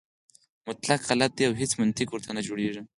مطلق غلط دی او هیڅ منطق ورته نه جوړېږي.